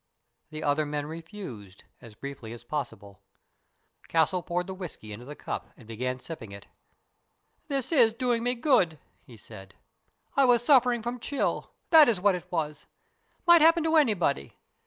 The other men refused, as briefly as possible. Castle poured the whisky into the cup and began sipping it. " This is doing me good," he said. " I was suffering from chill. That is what it was. Might happen to anybody.